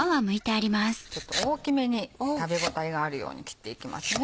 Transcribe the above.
ちょっと大きめに食べ応えがあるように切っていきますね。